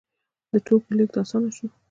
د توکو لیږد اسانه شو.